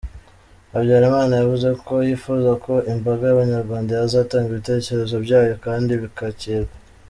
Habyarimana yavuze ko yifuza ko imbaga y’Abanyarwanda yazatanga ibitekerezo byayo kandi bikakirwa.